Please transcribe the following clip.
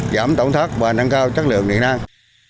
giảm tổn thất và nâng cao chất lượng điện năng